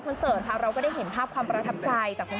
ต้องเห็นจะบอกว่าสุขภาษณะคือผมไม่ได้ห่วงตัวเอง